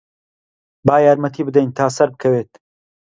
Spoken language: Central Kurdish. با یارمەتیی بدەین تا سەربکەوێت.